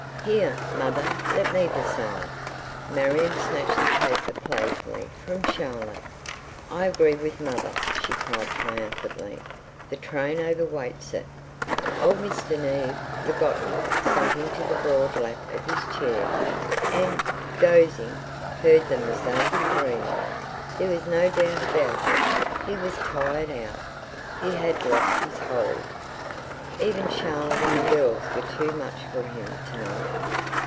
"Here, mother, let me decide." Marion snatched the paper playfully from Charlotte. "I agree with mother," she cried triumphantly. "The train overweights it." Old Mr. Neave, forgotten, sank into the broad lap of his chair, and, dozing, heard them as though he dreamed. There was no doubt about it, he was tired out; he had lost his hold. Even Charlotte and the girls were too much for him to night.